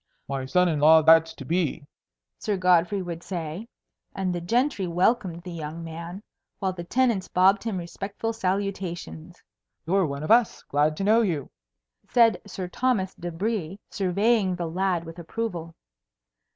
"My son in law that's to be," Sir Godfrey would say. And the gentry welcomed the young man, while the tenants bobbed him respectful salutations. "You're one of us. Glad to know you," said Sir Thomas de Brie, surveying the lad with approval.